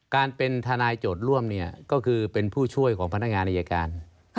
การเป็นทนายโจทย์ร่วมก็คือเป็นผู้ช่วยของพนักงานอายการ